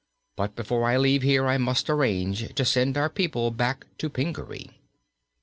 But before I leave here I must arrange to send our people back to Pingaree."